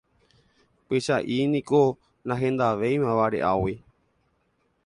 Pychãi niko nahendavéima vare'águi.